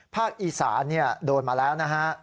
ภาคอีสาเนี่ยโดนมาแล้วนะฮะ